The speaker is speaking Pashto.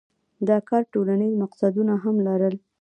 دا کار ټولنیز مقصدونه هم لرل.